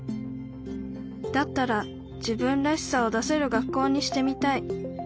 「だったら自分らしさを出せる学校にしてみたい」